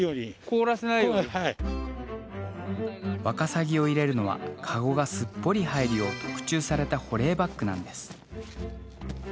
わかさぎを入れるのはカゴがすっぽり入るよう特注された保冷バッグなんです。